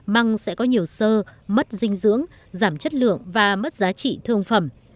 măng sẽ có nhiều sơ mất dinh dưỡng giảm chất lượng và mất giá trị thương phẩm